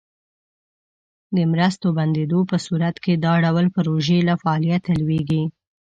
د مرستو بندیدو په صورت کې دا ډول پروژې له فعالیته لویږي.